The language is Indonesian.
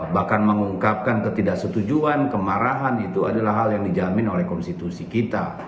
bahkan mengungkapkan ketidaksetujuan kemarahan itu adalah hal yang dijamin oleh konstitusi kita